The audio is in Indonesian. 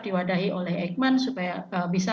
diwadahi oleh eijkman supaya bisa